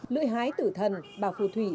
lưỡi hái tử thần bào phù thủy